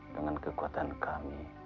dengan kekuatan kami